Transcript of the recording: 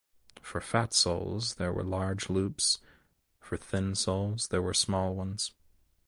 For fat souls there were large loops, for thin souls there were small ones.